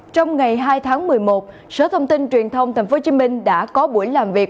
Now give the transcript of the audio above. trong ngày hai tháng một mươi một sở thông tin truyền thông tp hcm đã có buổi làm việc